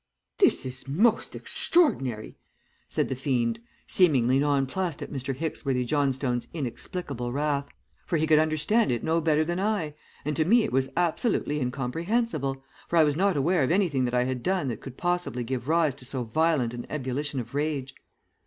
"'This is most extraordinary,' said the fiend, seemingly nonplussed at Mr. Hicksworthy Johnstone's inexplicable wrath; for he could understand it no better than I, and to me it was absolutely incomprehensible, for I was not aware of anything that I had done that could possibly give rise to so violent an ebullition of rage.